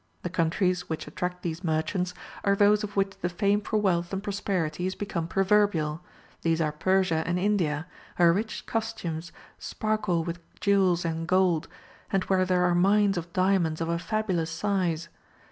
The countries which attract these merchants are those of which the fame for wealth and prosperity is become proverbial; these are Persia and India, where rich costumes sparkle with jewels and gold, and where there are mines of diamonds of a fabulous size.